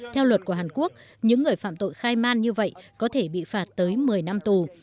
theo luật của hàn quốc những người phạm tội khai man như vậy có thể bị phạt tới một mươi năm tù